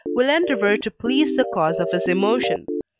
will endeavour to please the cause of his emotion.